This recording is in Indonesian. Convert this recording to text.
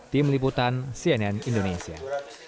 tim liputan cnn indonesia